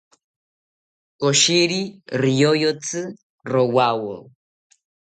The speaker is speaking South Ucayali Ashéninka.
Koshiri rioyotsi rowawo